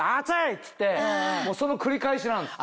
っつってその繰り返しなんです。